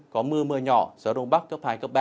có mưa mưa nhỏ gió đông bắc cấp hai cấp ba